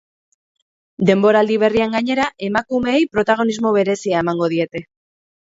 Denboraldi berrian, gainera, emakumeei protagonismo berezia emango diete.